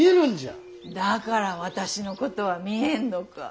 だから私のことは見えんのか。